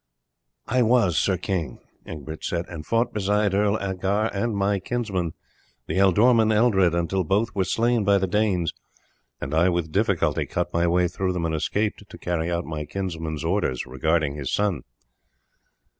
"I was, sir king," Egbert said, "and fought beside Earl Algar and my kinsman the Ealdorman Eldred until both were slain by the Danes, and I with difficulty cut my way through them and escaped to carry out my kinsman's orders regarding his son."